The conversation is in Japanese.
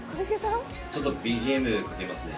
ちょっとＢＧＭかけますね。